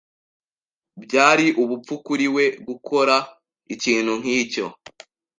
Byari ubupfu kuri we gukora ikintu nkicyo.